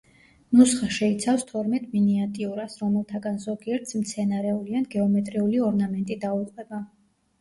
ნუსხა შეიცავს თორმეტ მინიატიურას, რომელთაგან ზოგიერთს მცენარეული ან გეომეტრიული ორნამენტი დაუყვება.